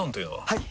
はい！